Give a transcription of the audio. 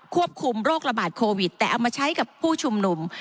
ควบคุมโรคระบาดโควิดแต่เอามาใช้กับผู้ชุมนุม